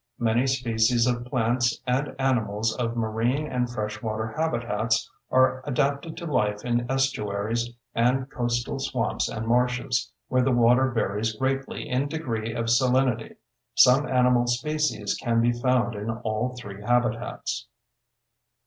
Many species of plants and animals of marine and fresh water habitats are adapted to life in estuaries and coastal swamps and marshes, where the water varies greatly in degree of salinity. Some animal species can be found in all three habitats.